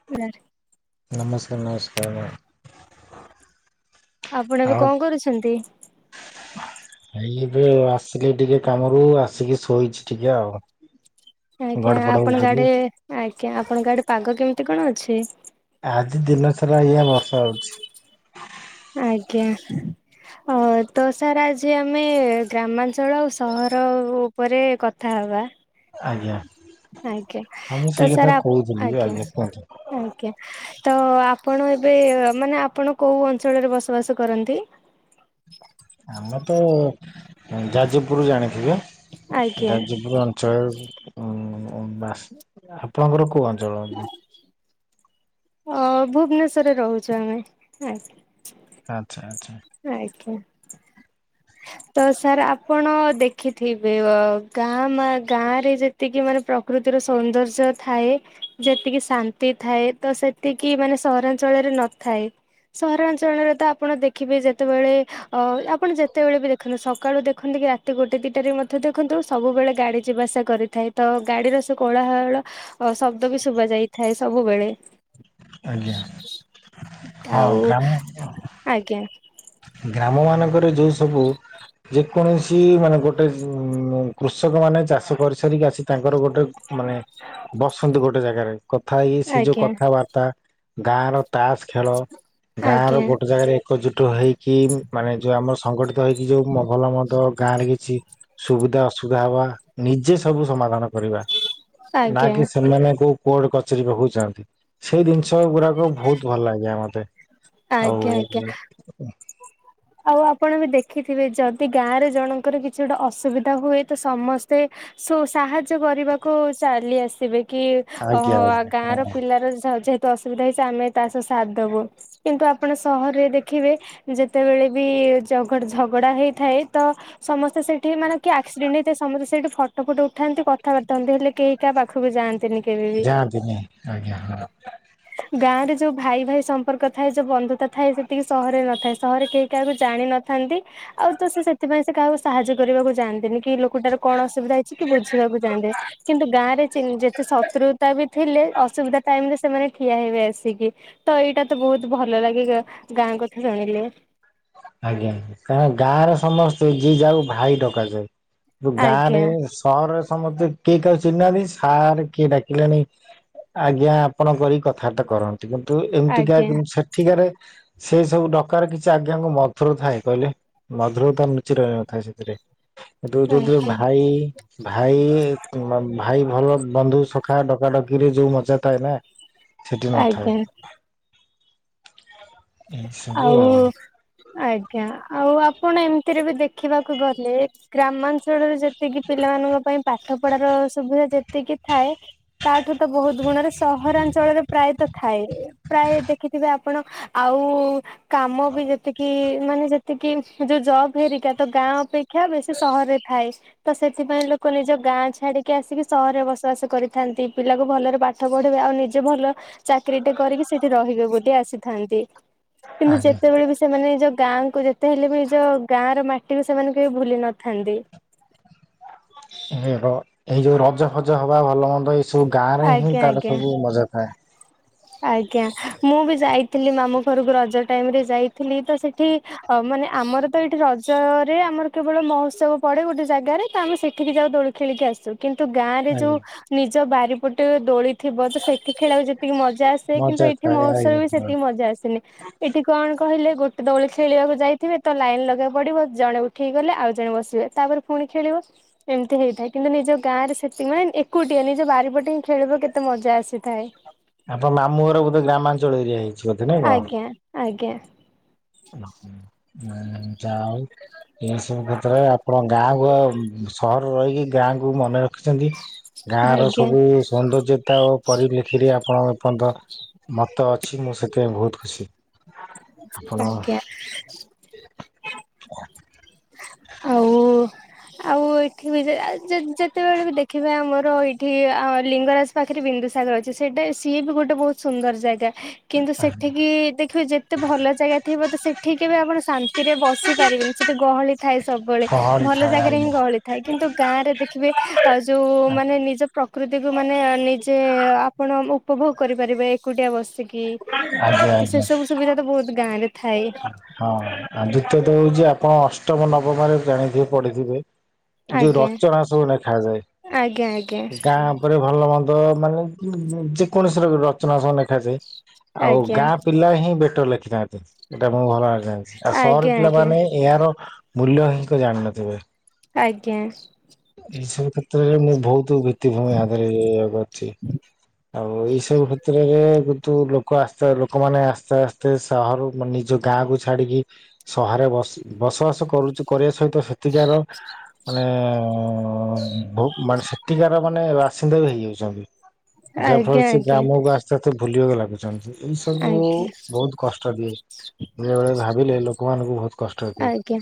[inaudible] ନମସ୍କାର ନମସ୍କାର ନମ ଆପଣ ଏବେ ଆଉ କଣ କରୁଛନ୍ତି? ଏଇ ଏବେ ଆସିଲେ ଟିକେ କାମରୁ ଆସିକି ଶୋଇଛି ଟିକେ ଆଉ। ଆଜ୍ଞା ଗଡପଡ ଆପଣଙ୍କ ହଉଥିଲି ଆଡେ ଆଜ୍ଞା ଆପଣଙ୍କ ଆଡେ ପାଗ କେମିତି କଣ ଅଛି? ଆଜି ଦିନ ସାରା ଆଜ୍ଞା ବର୍ଷା ହଉଛି। ଆଜ୍ଞା। ଓ ତ ସାର୍ ଆଜି ଆମେ ଗ୍ରାମାଞ୍ଚଳ ଆଉ ସହର ଉପରେ କଥା ହେବା। ଆଜ୍ଞା। ଆଜ୍ଞା ହଁ ମୁଁ ତ ସେଇ କଥା ସାର୍ କହୁଥିଲି ଆଜ୍ଞା କୁହନ୍ତୁ ଆଜ୍ଞା। ତ ଆପଣ ଏବେ ମାନେ ଆପଣ କୋଉ ଅଞ୍ଚଳରେ ବସବାସ କରନ୍ତି? [inaudible] ଆମେ ତ ଯାଜପୁର ଜାଣିଥିବେ ଆଜ୍ଞା ଯାଜପୁର ଅ ଅଞ୍ଚଳରେ ବାସ୍ ଆପଣଙ୍କର କୋଉ ଅଞ୍ଚଳ? ଅ ଭୁବନେଶ୍ଵରରେ ରହୁଛୁ ଆମେ ଆଜ୍ଞା। ଆଚ୍ଛା ଆଚ୍ଛା। ଆଜ୍ଞା। ତ ସାର୍ ଆପଣ ଦେଖିଥିବେ ଅ ଗାଁ ମା ଗାଁରେ ଯେ ଯେତିକି ମାନେ ପ୍ରକୃତିର ସୌନ୍ଦର୍ଯ୍ୟ ଥାଏ ଯେତିକି ଶାନ୍ତି ଥାଏ ତ ସେ ତିକି ମାନେ ସହରାଞ୍ଚଳରେ ନଥାଏ ସହରାଞ୍ଚଳରେ ତ ଆପଣ ଦେଖିବେ ଯେତେବେଳେ। ଅ ଆପଣ ଯେତେବେଳେ ବି ଦେଖନ୍ତୁ ସକାଳୁ ଦେଖନ୍ତୁ କି ରାତି ଗୋଟେ ଦିଟାରେ ମଧ୍ୟ ଦେଖନ୍ତୁ ସବୁବେଳେ ଗାଡି ଯିବା ଆସିଵା କରିଥାଏ ତ ଗାଡ଼ିର ସବୁ କୋଳାହଳ। ଅ ଶବ୍ଦ ବି ଶୁବା ଯାଇଥାଏ ସବୁବେଳେ। ଆଜ୍ଞା ହଁ ଆଉ ଗାମ ଆଜ୍ଞା। ଗ୍ରାମ ମାନଙ୍କରେ ଯୋଉ ସବୁ। ଯେକୌଣସି ମାନେ ଗୋଟେ କୃଷକମାନେ ଚାଷ କରିସାରିକି ଆସି ତାଙ୍କର ଗୋଟେ ମାନେ ବସନ୍ତି ଗୋଟେ ଜାଗାରେ। କଥା ହେଇକି ସେ ଯୋଉ ଆଜ୍ଞା କଥାବାର୍ତ୍ତା ଗାଁ ର ତାସ ଖେଳ ଗାଁ ର ଆଜ୍ଞା ଆଜ୍ଞା ଗୋଟେ ଜାଗାରେ। ଏକଜୁଟ ହୋଇ। କି ମାନେ ଯୋଉ ଆମର ସଂଗଠିତ ହେଇକି ଯୋଉ ମ ଭଲ ମନ୍ଦ ଗାଁ ରେ କିଛି ସୁବିଧା ଅ ସୁୁବିଧା ହବା ନିଜେ ସବୁ ସମାଧାନ କରିବା ନା ଆଜ୍ଞା କି ସେମାନେ କୋଉ କୋର୍ଟ କଚେରୀ ପାଖକୁ ଯାଆନ୍ତି ସେ ଜିନିଷ ଗୁଡାକ ବହୁତ ଭଲ ଲାଗେ ଆଜ୍ଞା ମତେ। ଆଉ ଆଜ୍ଞା ଆଜ୍ଞା ଆଉ ଆ ପଣ ବି ଦେଖିଥିବେ, ଯଦି ଗାଁରେ ଜଣଙ୍କର କିଛି ଗୋଟେ ଅସୁବିଧା ହୁଏ ତ ସମସ୍ତେ। ସୁ ସାହାଯ୍ୟ କରିବାକୁ ଚାଲି ଆସିବେ। କି ଅ ଆଜ୍ଞା ଆଜ୍ଞା ଗାଁ ହଁ ର ପିଲାର ଯେହେତୁ ଅସୁବିଧା ହେଇଛି ଆମେ ତା ସହ ସାଥ ଦବୁ। କିନ୍ତୁ ଆପଣ ସହରରେ ଦେଖିବେ ଯେତେବେଳେ ବି ଜଗଡ଼ ଝଗଡ଼ା ହୋଇଥାଏ ତ ସମସ୍ତେ ସେଇଠି ମାନେ କିଏ ଆକ୍ସିଡେଣ୍ଟ ହେଇଥାଏ, ସମସ୍ତେ ସେଇଠି ଫଟୋ ଫଟ ଉଠାନ୍ତି କଥାବାର୍ତ୍ତା ହୁଅନ୍ତି ହେଲେ କେହି କା ପାଖକୁ ଯାଆନ୍ତିନି। କେବେ ବି ଯାଆନ୍ତିନି ଆଜ୍ଞା ହଁ। ଗାଁ ରେ ଯୋଉ ଭାଇ ଭାଇ ସମ୍ପର୍କ ଥାଏ ଯଉ ବନ୍ଧୁତା ଥାଏ ସେତିକି ସହରରେ ନଥାଏ ସହରରେ କେହି କାହାକୁ ଜାଣିନଥାନ୍ତି। ଆଉ ତ ସେଥିପାଇଁ ସେ କାହାକୁ ସାହାଯ୍ୟ କରିବାକୁ ଜାଆନ୍ତିନି କି ଲୋକଟାର କଣ ଅସୁବିଧା ହେଇଛି କି ବୁଝିବାକୁ ଯାଆନ୍ତେ। କିନ୍ତୁ ଗାଁ ରେ ଚିନ୍ ଯେତେ ଶତ୍ରୁତା ବି ଥିଲେ ଅସୁବିଧା ଟାଇମ୍ ରେ ସେମାନେ ଠିଆ ହେବେ ଆସିକି। ତ ଏଇଟା ତ ବହୁତ ଭଲ ଲାଗେ ଗ ଗାଁ କଥା ଜାଣିଲେ। ଆଜ୍ଞା କା ଗାଁରେ ସମସ୍ତେ ଯିଏ ଯାହା ଭାଇ ଡକାଯାଏ ରୁ ଗାଁ ରେ। ଆଜ୍ଞା। ସହରରେ ସମସ୍ତେ କିଏ କା ଚିହ୍ନାନ୍ତିି ସାରେ କିଏ ଡାକିଲାଣିି। ଆଜ୍ଞା ଆପଣ କରି କଥାବାର୍ତ୍ତା କର ଦେଖନ୍ତୁ ଏମିତିକା ଆଜ୍ଞା ସେଠିକାରେ ସେଇ ସବୁ ଡକାର କିଛି ଆଜ୍ଞା ମ [unintelligible] ଥାଏ କହିଲେ ମଧୁରତା ଲୁଚି ରହିଥାଏ ସେଥିରେ କିନ୍ତୁ ଯୋଉଥିରେ ଆଜ୍ଞା ଭାଇ ଭାଇ ଭାଇ ଭଲ ବନ୍ଧୁ ସଖା ଡକାଡକିରେ ଯୋଉ ମଜା ଥାଏ ନା। ସେଠି ନ ଥାଏ। ଆଜ୍ଞା ଆଉ। ଆଜ୍ଞା ଆଉ ଆପଣ ଏମିତିରେ ବି ଦେଖିବାକୁ ଗଲେ ଗ୍ରାମାଞ୍ଚଳରେ ଯେ ତିକିି ପିଲାମାନଙ୍କ ପାଇଁ ପାଠ ପଢାର ସୁବିଧା ଯେତିକି ଥାଏ ତା ଠୁ ତ ବହୁତ ଗୁଣରେ ସହରାଞ୍ଚଳରେ ପ୍ରାୟତଃ ଥାଏ ପ୍ରାୟ ଦେଖିଥିବେ ଆପଣ ଆଉ କାମ ବି ଯେତିକି ମାନେ ଯେତିକି ଯୋଉ ଜବ୍ ହେରିକା ତ ଗାଁ ଅପେ କ୍ଷା ବେଶୀ ସହରରେ ଥାଏ ତ ସେଥିପାଇଁ ଲୋକ ନିଜ ଗାଁ ଛାଡି କେ ଆସିକି ସହରରେ ବସବାସ କରିଥାନ୍ତି। ପିଲାକୁ ଭଲରେ ପାଠ ପଢେଇବା ଆଉ ନିଜେ ଭଲ ଚାକିରଟେ କରିକି ସେଇଠି ରହିବେ ବୋଲି ଆସିଥାନ୍ତି କିନ୍ତୁ ଆଜ୍ଞା। ଯେତେବେଳେ ବି ସେମାନେ ନିଜ ଗାଁ କୁ ଯେତେ ହେଲେ ବି ନିଜ ଗାଁ ର ମାଟିକୁ ସେମାନେ କେବେ ଭୁଲି ନଥାନ୍ତି। ଉଁ ହ ଏଇ ଯୋଉ ରଜ ଫଜ ହବା ଭଲ ମନ୍ଦ ଏଇ ସବୁ ଗାଁ ରେ ହିଁ ଆଜ୍ଞା ତାର ଆଜ୍ଞା। ସବୁ ମଜା ଥାଏ। ଆଜ୍ଞା ମୁଁ ବି ଯାଇଥିଲି ମାମୁଁ ଘରକୁ ରଜ ଟାଇମ୍ ରେ ଯାଇଥିଲି ତ ସେଠି ଅ ମାନେ ଆମର ତ ଏଇଠି ରଜରେ ଆମର କେବଳ ମହୋତ୍ସବ ପଡେ ଗୋଟେ ଜାଗାରେ ତ ଆମେ ସେଠିକି ଯାଉ ଦୋଳି ଖେଳିକି ଆସୁ କିନ୍ତୁ ଗାଁ ରେ ଯୋଉ ଆଜ୍ଞା ନିଜ ବାରିପଟେ ଦୋଳି ଥିବ ସେଠି ଖେଳିବାକୁ ଯେତିକି ମଜା ଆସେ କିନ୍ତୁ ମଜା ଏଠି ଥାଏ ମହୋତ୍ସଵରେ ଆଜ୍ଞା ବି ସେତିକି ମଜା ଆସେନି। ଏଠି କଣ କହିଲେ ଗୋଟେ ଦୋଳି ଖେଳିବାକୁ ଯାଇଥିବେ ତ ଲାଇନ୍ ଲଗେଇବାକୁ ପଡିବ ଜଣେ ଉଠିଇକି ଗଲେ ଆଉ ଜଣେ ବସିବେ ତାପରେ ପୁଣି ଖେଳିବ। ଏମିତି ହେଇଥାଏ କିନ୍ତୁ ନିଜ ଗାଁରେ ସେଥିପା ମାନ୍ ଏକୁଟିଆ ନିଜ ବାରିପଟେ ହି ଖେଳିବ କେତେ ମଜା ଆସିଥାଏ। ଆପଣ ମାମୁଁ ଘର ବୋଧେ ଗ୍ରାମାଞ୍ଚଳ ଏରିଆ ହେଇ? ଆଜ୍ଞା ଆଜ୍ଞା। ଓ ଏ ଯା ହଉ ଏଇ ସବୁ କ୍ଷେତ୍ରରେ ଆପଣଙ୍କ ଗାଁ ଅ ସହର ରହିକି ଗାଁକୁ ମନେ ର ସେମତି ଗାଁ ର ଆଜ୍ଞା ସବୁ ସୌନ୍ଦର୍ଯ୍ୟତା ଓ ପରିପ୍ରେକ୍ଷୀରେ ଆପଣଙ୍କ ଏ ପର୍ଯ୍ୟନ୍ତ ମତ ଅଛି ମୁଁ ସେଥିପାଇଁ ବହୁତ ଖୁସି। ଆପଣ ଆଜ୍ଞା ଆଉ ଆଉ ଏଇଠି ବି ଯେ ଯେତେ ଯେତେବେଳେ ବି ଦେଖିବେ ଆମର ଏଇଠି ଆ ଲିଙ୍ଗରାଜ ପାଖରେ ବିନ୍ଦୁସାଗର ଅଛି। ସେଇଟା ସିଏ ବି ଗୋଟେ ବହୁତ ସୁନ୍ଦର ଜାଗା। କିନ୍ତୁ ସେଠିକି ଦେଖିବେ ଯେତେ ଭଲ ଜାଗା ଥିବ ତ ସେଠିକି କେବେ ଆପଣ ଶାନ୍ତିରେ ବସି ପାରିବେନି। ସେଠି ଗହଳି ଥାଏ ସବୁବେଳେ। ଗହଳି ଥାଏ। ଆଜ୍ଞା ହଳି ଥାଏ କିନ୍ତୁ ଗାଁ ରେ ଦେଖିବେ ଆ ଯୋଉ ମାନେ ନିଜ ପ୍ରକୃତିକୁ ମାନେ ନିଜେ ଆ ପଣ ଉପଭୋଗ କରିପାରିବେ ଏକୁଟିଆ ବସିକି। ଆଜ୍ଞା। କି ତ ଆଜ୍ଞା। ସେ ସବୁ ସୁବିଧା ତ ବହୁତ ଗାଁ ରେ ଥାଏ। ହଁ ଆଉ ଦ୍ୱିତୀୟତଃ ହଉଚି ଆପଣ ଅଷ୍ଟମ ନବମରେ ଜାଣିଥିବେ ପଢିଥିବେ। ଯୋଉ ଆଜ୍ଞା ରଚନା ସବୁ ଲେଖାଯାଏ ଆଜ୍ଞା ଆଜ୍ଞା ଗାଁ ଉପରେ ଭଲ ମନ୍ଦ ମାନେ ଉ ଊ ଯେକୌଣସି ର ବି ରଚନା ସବୁ ଲେଖାଯାଏ। ଆଉ ଗାଁ ପିଲା ହିଁ ବେଟର ଲେଖିଥାନ୍ତି। ଏଇଟା ମୁଁ ଭଲ ଭାବରେ ଜାଣି ଆଉ ସହର ଆଜ୍ଞା ଆଜ୍ଞା ପିଲାମାନେ ଏହାର ମୂଲ୍ୟ ହିଁ କ ଜାଣିନଥିବେ। ଆଜ୍ଞା। ଏଇସବୁ କ୍ଷେତ୍ରରେ ମୁଁ ବହୁତ ଭିତ୍ତିଭୂମି ଆଧିରେ କରିଚି। ଆଉ ଏଇସବୁ କ୍ଷେତ୍ରରେ କିନ୍ତୁ ଲୋକ ଆସ୍ତେ ଲୋକମାନେ ଆସ୍ତେ ଆସ୍ତେ ସହର ମ ନିଜ ଯୋଉ ଗାଁ କୁ ଛାଡିକି ସହରରେ ବସ୍ ବସବାସ କରୁଚି କରିବା ସହିତ ସେତିକି ଟା ରଖ୍। ମାନେ ଭୁକ୍ ମାନେ ସେଠିକାର ମାନେ ବାସିନ୍ଦା ବି ହେଇଯାଉଚନ୍ତି। ଯାହା ଆଜ୍ଞା ଫଳରେ ସେ ଆଜ୍ଞା ଗ୍ରାମକୁ ଆସ ତସେ ତ ଭୁଲିବାକୁ ଲାଗୁଚନ୍ତି ଏଇ ଆଜ୍ଞା ସବୁ ଆଜ୍ଞା ବହୁତ କଷ୍ଟ ଦିଏ। ବେଳେବେେଳେ ଭାବିଲେ ଲୋକମାନଙ୍କୁ ବହୁତ କଷ୍ଟ ଦିଏ। ଆଜ୍ଞା।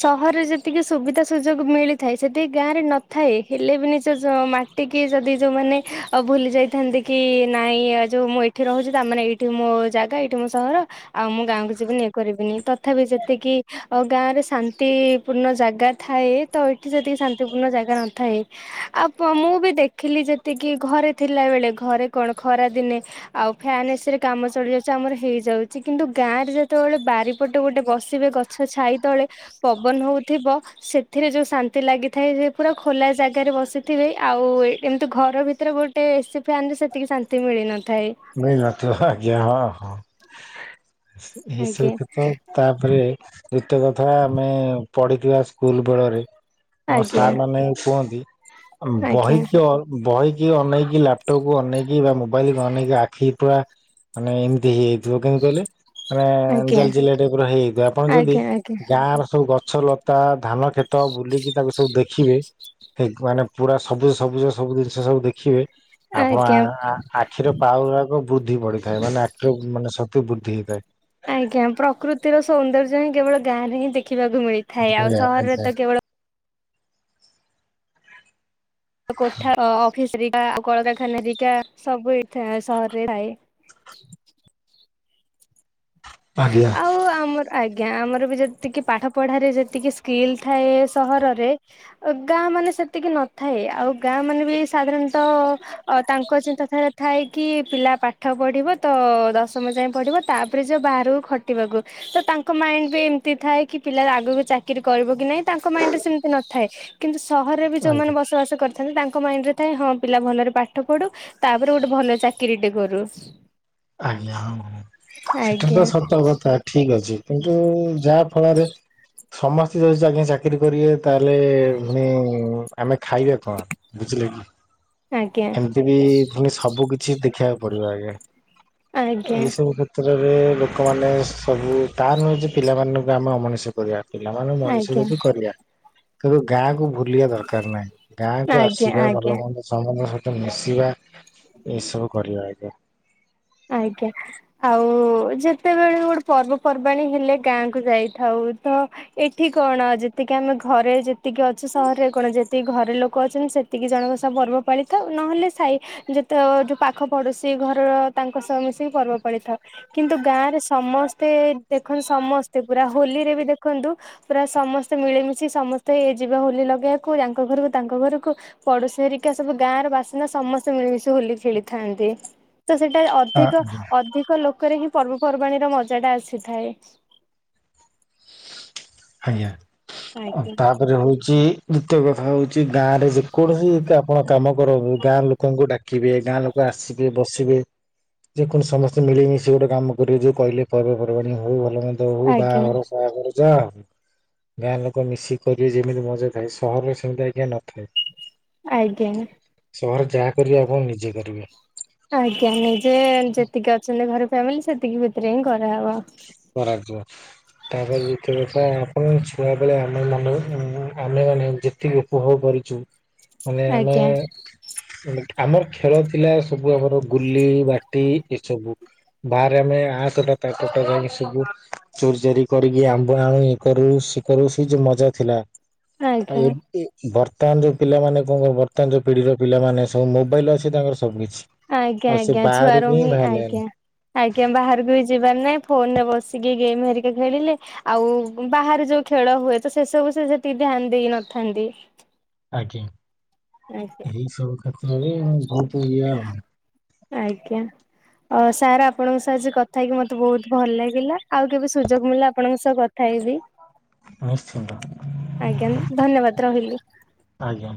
ସହରରେ ଯେତିକି ସୁବିଧା ସୁଯୋଗ ମିଳିଥାଏ ସେତିକି ଗାଁ ରେ ନଥାଏ ହେଲେ ବି ନିଜ ଜ ମାଟି ଏଠିକି ଯଦି ଯୋଉମାନେ ଅ ଭୁଲି ଯାଇଥାନ୍ତି କି ନାଇଁ ଏ ଯୋଉ ମୁଁ ଏଇଠି ରହୁଚି ତାମାନେ ଏଠି ଏଠି ମୋ ଜାଗା ଏଠି ମୋ ସହର ଆଉ ମୁଁ ଗାଁକୁ ଯିବିନି ଇଏ କରିବିନି ତଥାପି ସେ ଯେତିକି ଆ ଗାଁରେ ଶାନ୍ତିପୂର୍ଣ୍ଣ ଜାଗା ଥାଏ ତ ଏଇଠି ସେତିକି ଶାନ୍ତିପୂର୍ଣ୍ଣ ଜାଗା ନଥାଏ। ଆଉ ମୁଁ ବି ଦେଖିଲି ଯେତିକି ଘରେ ଥିଲା ବେଳେ ଘରେ କଣ ଖରା ଦିନେ ଆଉ ଫ୍ୟାନ ଏସରେ କାମ ଚଲି ଯାଉଛି ଆମର ହେଇଯାଉଛି କିନ୍ତୁ ଗାଁ ରେ ଯେତେବେଳେ ବାରିପଟେ ଗୋଟେ ବ ସିବେ ଗଛ ଛାଇ ତଳେ ପବନ ହଉଥିବ। ସେଥିରେ ଯୋଉ ଶାନ୍ତି ଲାଗିଥାଏ ସେ ପୁରା ଖୋଲା ଜାଗାରେ ବସିଥିବେ ଆଉ ଏମିତି ଘର ଭିତରେ ଗୋଟେ ଗୋଟେ ଏସି ଫ୍ୟାନରେ ସେତିକି ଶାନ୍ତି ମିଳିନଥାଏ। ନ ନ ତ ଆଜ୍ଞା ହଁ ହଁ ଆଜ୍ଞା ଏସବ ତ। ତାପରେ ଏତେ କଥା ଆମେ ପଢ଼ିଥିବା ସ୍କୁଲ ବେଳରେ ଆମ ଆଜ୍ଞା ସାର୍ ମାନେ କୁହନ୍ତି ବହି ଆଜ୍ଞା କି ବହି କି ଅନେଇକି ଲାପଟପ୍ କୁ ଅନେକି ବା ମୋବାଇଲ କୁ ଅନେଇକ ଆ ଆଖି ପୁରା ମାନେ ଏମିତି ହେଇଯିବ କାଇଁ କହିଲେ? ମାନେ ଆଜ୍ଞା ଜାଲ ଜଲିଆ ଟାଇପ ର ହେଇଯାଇଥିବ ଆପଣ ଯଦି ଆଜ୍ଞା ଆଜ୍ଞା ଗାଁ ର ସବୁ ଗଛ ଲତା ଧାନ ତ ବୁଲିକି ତାକୁ ସବୁ ଦେଖିବେ? ସେ ମାନେ ପୁରା ସବୁଜ ସବୁଜ ସବୁ ଜିନିଷ ସବୁ ଦେଖିବେ ଆପଣ? ଆଜ୍ଞା ଆଖିର ପାଉରଗ ବୃଦ୍ଧି ପଡ଼ିଥାଏ ମାନେ ଆଖିର ମାନେ ସତ୍ୟ ବୃଦ୍ଧି ହୋଇଥାଏ। ଆଜ୍ଞା ପ୍ରକୃତିର ସୌନ୍ଦର୍ଯ୍ୟ ହିଁ କେବଳ ଗାଁ ରେ ହିଁ ଦେଖିବାକୁ ମିଳିଥାଏ ଆଉ ସହରରେ ଆଜ୍ଞା ତ କେବଳ କୋଠା ଅଫିସିକା କଳକାରଖାନା ହେରିକା ସବୁ ସହରରେ ଥାଏ। [inaudible] ଆଉ ଆମ ଆଜ୍ଞା ଆମର ବି ଯେତିକି ପାଠ ପଢାରେ ଯେତିକି ସ୍କିଲ୍ ଥାଏ ସହରରେ। ଗାଁ ମାନେ ସେତିକି ନଥାଏ ଆଉ ଗାଁ ମାନେ ବି ସାଧାରଣତଃ ଅ ତାଙ୍କ ଚିନ୍ତାଧାରା ଥାଏ କି ପିଲା ପାଠ ପଢିବ ତ ଦଶମ ଯାଏଁ ପଢିବ ତା ବାହାରକୁ ଖଟିବାକୁ ତ ତାଙ୍କ ମାଇଣ୍ଡ ବି ଏମିତି ଥାଏ କି ପିଲା ଆଗକୁ ଚାକିର କରିବ କି ନହିଁ? ତାଙ୍କ ମାଇଣ୍ଡ ରେ ସେମିତି ନଥାଏ କିନ୍ତୁ ସହରରେ ବି ଯୋଉମାନେ ଆଜ୍ଞା ବସବାସ କରି ତାଙ୍କ ମାଇଣ୍ଡରେ ଥାଏ ହଁ ପିଲା ଭଲରେ ପାଠ ପଢୁ ତାପରେ ଗୋଟେ ଭଲ ଚାକିରିଟେ କରୁ। ଆଜ୍ଞା ହଁ ହ ସେଟା ଆଜ୍ଞା ତ ସତ କଥା ଠିକ ଅଛି କିନ୍ତୁ ଯାହା ଫଳରେ ସମସ୍ତେ ଯଦି ଆଜ୍ଞା ଚାକିରୀ କରିବେ ତାହେଲେ ମାନେ ଆମେ ଖାଇବା କଣ ବୁଝିଲେ କି? ଆଜ୍ଞା। ଏମ ବି ପନେ ସବୁ କିଛି ଦେଖିବାକୁ ପଡିବ ଆଜ୍ଞା ଆଜ୍ଞା ଏଇ ସବୁ କଷ କ୍ଷତ୍ରରେ ଲୋକମାନେ ସବୁ ତାହା ନୁହେଁ ଯେ ପିଲାମାନଙ୍କୁ ଆମେ ଅମଣିଷ କରିବା। ପିଲାମାନେ ଆଜ୍ଞା। ମଣିଷକୁ ବି କରିବା କିନ୍ତୁ ଗାଁକୁ ବୁଲିବା ଦରକାର ନାହିଁ ଗାଁ କୁ ଆଜ୍ଞା ଆସିବା ଆଜ୍ଞା ଭଲ ମନ୍ଦ ସମ୍ବନ୍ଧ ମିଶିବା ଏଇସବୁ କରିବା ଆଜ୍ଞା। ଆଜ୍ଞା। ଆଉ ଯେତେବେଳେ ଗୋଟେ ପର୍ବପର୍ବାଣୀ ହେଲେ ଗାଁକୁ ଯାଇଥାଉ ତ ଏଠି କଣ ଯେତିକି ଆମେ ଘରେ ଯେତିକି ଅଛୁ ସହରରେ କଣ ଯେତିକି ଘରେ ଲୋକ ଅଛନ୍ତି। ଏତିକି ଜଣକ ସ ପର୍ବପାଳିତ ନହେଲେ ସାଇ ଯେତେ ଯୋଉ ପାଖ ପଡ଼ୋଶୀ ଘରର ତାଙ୍କ ସହ ମିଶିକି ପର୍ବ ପାଳିଥାଉ। କିନ୍ତୁ ଗାଁରେ ସମସ୍ତେ ଦେଖନ୍ତୁ ସମସ୍ତେ ପୁରା ହୋଲିରେ ବି ଦେଖନ୍ତୁ। ପୁରା ସମସ୍ତେ ମିଳିମିଶି ସମସ୍ତେ ଇଏ ଯିବେ ହୋଲି ଲଗେଇବାକୁ ଆଙ୍କ ଘରକୁ ତାଙ୍କ ଘରକୁ। ପଡୋଶୀ ହେରିକା ସବୁ ଗାଁ ର ବାସିନ୍ଦା ସମସ୍ତେ ମିଳିମିଶି ହୋଲି ଖେଳିଥାନ୍ତି। ଟା ହଁ ଅଧିକ ଆଜ୍ଞା ଅଧିକ ଲୋକରେ ହିଁ ପର୍ବପର୍ବାଣୀର ମଜାଟା ଆସିଥାଏ। ଆଜ୍ଞା ଆଜ୍ଞା ତାପରେ ହଉଛି। ଦ୍ଵିତୀୟ କଥା ହଉଛି ଗାଁ ରେ ଯେକୌଣସି ଆପଣ କାମ କରନ୍ତୁ ଗାଁ ଲୋକଙ୍କୁ ଡା ଦେଖିବେ ଗାଁ ଲୋକ ଆସିବେ ବସିବେ। ଯେ କଣ ସମସ୍ତେ ମିଳିମିଶି ଗୋଟେ କାମ କରିବେ ଯୋ କହେ ପର୍ବପର୍ବାଣି ହଉ ଭଲ ମନ୍ଦ। ହଉ-ହଉ ବାହାଘର ସାହାଘର ଯାଆ। ଗାଁ ଲୋକ ମିଶିକି କରିବେ ଯେମିତି ମଜା ଥାଏ ସହରରେ ସେମିତି ଆଜ୍ଞା ନଥାଏ। ଆଜ୍ଞା। ସହରରେ ଯାହା କରିବେ ଆପଣ ନିଜେ କରିବେ। ଆଜ୍ଞା ନିଯେ ଯେତିକି ଅଛନ୍ତି ଘର ଫ୍ୟାମିଲି ସେତିକି ଭିତରେ ହିଁ କରାହେବ। କରାଯ୍ୟ। ତାପରେ ଯେତିକି କଥା ଆପଣ ଛୁଆବେଳେ ଆମେମାନେ ମୁଁ ଆମେମାନେ ଯେତିକି ଉପଭୋଗ କରିଛୁ। କବନ୍ ହ [unintelligible] ମାନେ ଆମେ [inaudible] ଆମର ଖେଳ ଥିଲା ସବୁ ଆମର ଗୁଲି ବାଟି ଏସବୁ। ବାରରେ ଆମେ ଆତଟା ତା ତଟା। ସବୁ ଚୋରି ଚାରି କରିକି ଆମ୍ବ ଆଣି ଇଏ କରୁ ସେ କରୁ ସେ ଯୋଉ ମଜା ଥିଲା। ଆଜ୍ଞା ଥାଏ। ବର୍ତ୍ତମାନ ଯୋଉ ପିଲାମାନେ କଣ କ ବର୍ତ୍ତମାନ ଯୋଉ ପିଢିର ପିଲାମାନେ ସବୁ ମୋବାଇଲ ଅଛି ତାଙ୍କର ସବୁ କିିଛି। ଆଜ୍ଞା-ଆଜ୍ଞା ଛୁଆ ର ହିଁ ଆଜ୍ଞା। ଆଜ୍ଞା ବାହାରକୁ ବି ଯିବାର ନାହିଁ ଫୋନ୍ ରେ ବସିକି ଗେମ୍ ହେରିକା ଖେଳିଲେ। ଆଉ ବାହାରେ ଯୋଉ ଖେଳ ହୁଏ ତ ସେ ସବୁ ସେ ସେତିକି ଧ୍ୟାନ ଦେଇ ନଥାନ୍ତି। ଆଜ୍ଞା ଆଜ୍ଞା। ଏଇ ସବୁ କ୍ଷେତ୍ରରେ ବହୁତ ଇଏ ଆଜ୍ଞା। ଅ ସାର୍ ଆପଣଙ୍କ ସହ ଆଜି କଥା ହେଇକି ମତେ ବହୁତୁ ଭଲ ଲାଗିଲା ଆଉ କେବେ ସୁଯୋଗ ମିଳିଲା ଆପଣଙ୍କ ସହ ଉଠାଇବି ନିଶ୍ଚିନ୍ତ ଆଜ୍ଞା ଧନ୍ୟବାଦ ରହିଲି [unintelligible] ଆଜ୍ଞା।